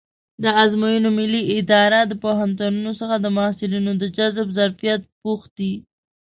د ازموینو ملي اداره له پوهنتونونو څخه د محصلینو د جذب ظرفیت پوښتي.